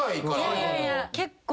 いやいやいや結構。